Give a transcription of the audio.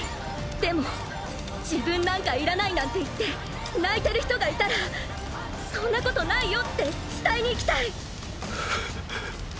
でも自分なんかいらないなんて言って泣いてる人がいたらそんなことないよって伝えに行きたい。